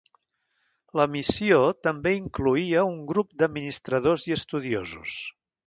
La missió també incloïa un grup d'administradors i estudiosos.